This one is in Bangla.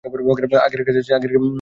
আগের কাজ আগে।